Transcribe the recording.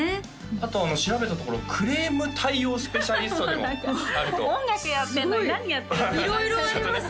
あと調べたところクレーム対応スペシャリストでもあるともう何か音楽やってんのに何やってるすごい色々ありますね